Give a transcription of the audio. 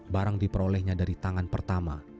barang diperolehnya dari tangan pertama